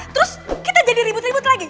terus kita jadi ribut ribut lagi